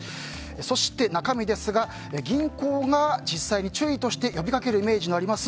そして中身ですが銀行が実際に注意として呼びかけるイメージがあります